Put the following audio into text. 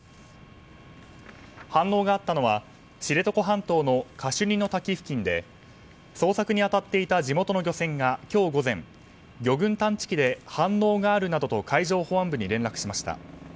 反応があったのは知床半島のカシュニの滝付近で捜索に当たっていた地元の漁船が今日午前魚群探知機で、反応があるなどと海上保安部に連絡しました。